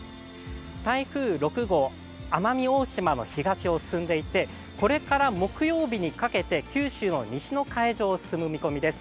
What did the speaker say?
台風６号、奄美大島の東を進んでいてこれから木曜日にかけて九州の西の海上を進む見込みです。